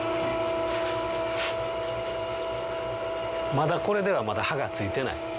まだこれではまだ刃がついてない。